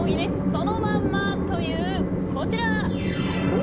そのまんまというこちら。